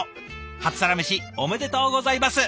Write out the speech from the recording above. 初サラメシおめでとうございます！